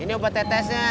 ini obat tetesnya